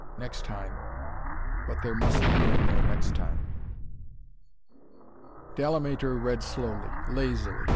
Next time but there must be no next time.'" Delamater read slowly lazily.